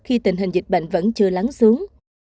khi tình hình dịch bệnh vẫn chưa lắng xuống